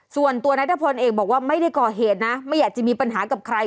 ส่วนตัวนัทพลเองบอกว่าไม่ได้ก่อเหตุนะไม่อยากจะมีปัญหากับใคร